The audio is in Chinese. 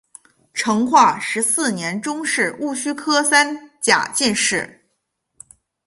成化十四年中式戊戌科三甲进士。